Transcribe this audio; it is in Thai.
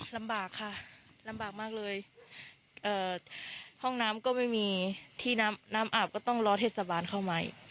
ลำบากค่ะลำบากมากเลยเอ่อห้องน้ำก็ไม่มีที่น้ำน้ำอาบก็ต้องรอเทศบาลเข้าใหม่